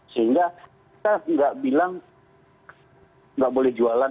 sehingga kita tidak bilang tidak boleh jualan